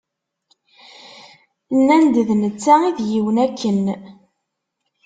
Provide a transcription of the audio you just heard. Nnan-d d netta i d yiwen akken